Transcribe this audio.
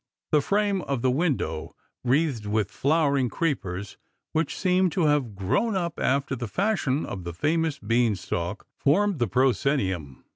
The frame of the window, wreathed with flowering creepers which see/ned to have grown up after the fashion of the famous beanstalk, formed the proscenium.